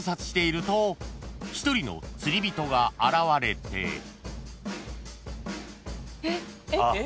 ［一人の釣り人が現れて］えっ？